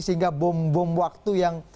sehingga bom bom waktu yang